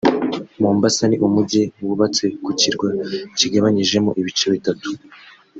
Mombasa ni umujyi wubatse ku kirwa kigabanyijemo ibice bitatu